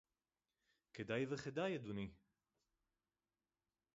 כדאי וכדאי, אדוני!